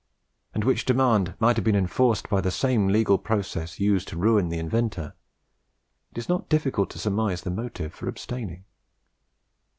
and which demand might have been enforced by the same legal process used to ruin the inventor, it is not difficult to surmise the motive for abstaining."